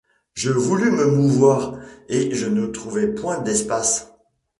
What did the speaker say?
Je voulus me mouvoir, et ne trouvai point d’espace.